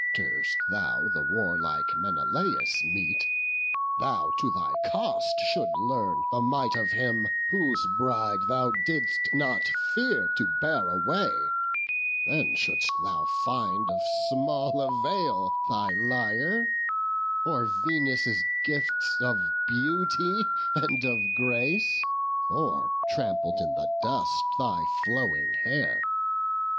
Durst thou the warlike Menelaus meet, Thou to thy cost shouldst learn the might of him Whose bride thou didst not fear to bear away: Then shouldst thou find of small avail thy lyre, Or Venus' gifts of beauty and of grace, Or, trampled in the dust, thy flowing hair.